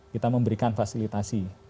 kita memberikan fasilitasi